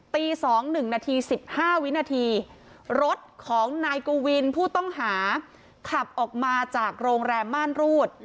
ตีสองหนึ่งนาทีสิบห้าวินาทีรถของนายกุวินผู้ต้องหาขับออกมาจากโรงแรมบ้านรูด